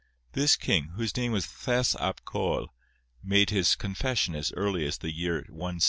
This king, whose name was Lles ap Coel, made his confession as early as the year 160.